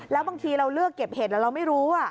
แล้วบางทีเราเลือกเก็บเห็ดแล้วเราไม่รู้